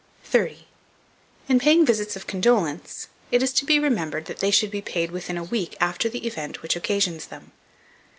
30. IN PAYING VISITS OF CONDOLENCE, it is to be remembered that they should be paid within a week after the event which occasions them.